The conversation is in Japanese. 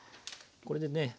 これでね